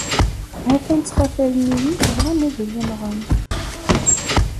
Ha-t-an ttxatalen-iyi, bɣan ad yi-nɣen.